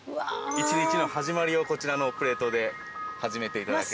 １日の始まりをこちらのプレートで始めていただけると。